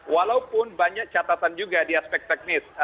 walaupun banyak catatan juga di aspek teknis